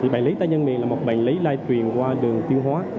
bệnh lý tay chân miệng là một bệnh lý lây truyền qua đường tiêu hóa